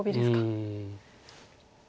うん。